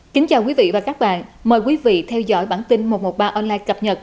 kính chào quý vị và các bạn mời quý vị theo dõi bản tin một trăm một mươi ba online cập nhật